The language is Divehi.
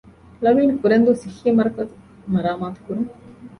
ޅ. ކުރެންދޫ ޞިއްޙީމަރުކަޒު މަރާމާތުކުރުން